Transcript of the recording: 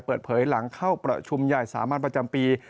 เปิดเผยหลังเข้าประชุมใหญ่สามัญประจำปี